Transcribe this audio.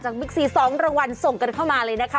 บิ๊กซี๒รางวัลส่งกันเข้ามาเลยนะคะ